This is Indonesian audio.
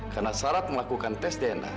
karena syarat melakukan tes dna